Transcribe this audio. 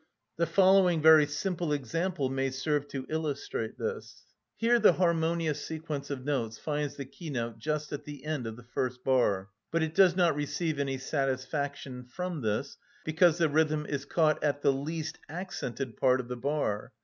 The following very simple example may serve to illustrate this:— [Illustration: Music] Here the harmonious sequence of notes finds the keynote just at the end of the first bar; but it does not receive any satisfaction from this, because the rhythm is caught at the least accented part of the bar.